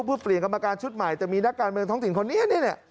เปลี่ยนกรรมการชุดใหม่จะมีนักการเมืองท้องถิ่นคนนี้นี่